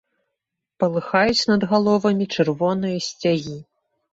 Палыхаюць над галовамі чырвоныя сцягі.